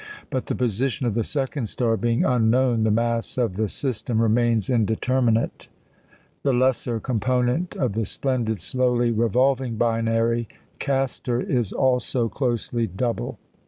But the position of the second star being unknown, the mass of the system remains indeterminate. The lesser component of the splendid, slowly revolving binary, Castor, is also closely double.